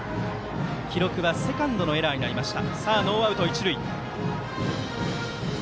記録はセカンドのエラーになりました。